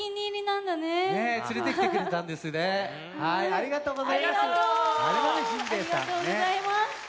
ありがとうございます。